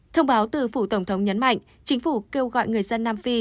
thông báo từ phủ tổng thống nhấn mạnh chính phủ kêu gọi người dân nam phi